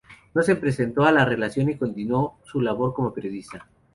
No se presentó a la reelección y continuó su labor como periodista.